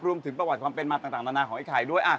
รวมถึงประวัติความเป็นมาต่างนานาของไอ้ไข่ด้วย